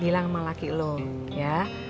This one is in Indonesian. hilang sama laki lu ya